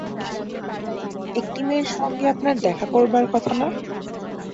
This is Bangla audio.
একটি মেয়ের সঙ্গে আপনার দেখা করবার কথা না?